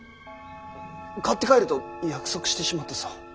買って帰ると約束してしまったぞ。